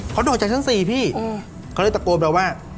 ขอโทษจากชั้นสี่พี่เค้าเลยตะโกนแปลว่า